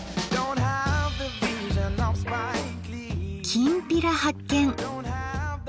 「きんぴら」発見！